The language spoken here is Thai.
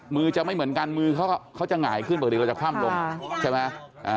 มือจะไม่เหมือนกันมือเขาจะหงายขึ้นปกติเราจะคว่ำลงใช่ไหม